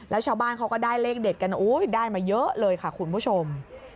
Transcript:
แล้วชาวบ้านเขาก็ได้เลขเด็ดกันได้มาเยอะเลยค่ะคุณผู้ชม